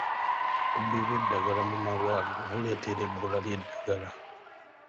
Obubbi bw'eddagala mu malwaliro buleetera ebbula ly'eddagala.